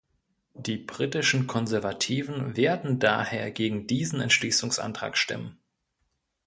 Die britischen Konservativen werden daher gegen diesen Entschließungsantrag stimmen.